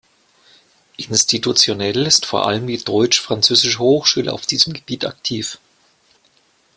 Institutionell ist vor allem die Deutsch-Französische Hochschule auf diesem Gebiet aktiv.